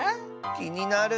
きになる。